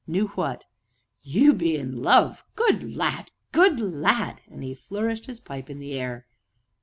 "Knew what?" "You be in love good lad! good lad!" and he flourished his pipe in the air.